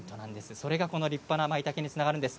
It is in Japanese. それがこの立派なまいたけにつながるんです。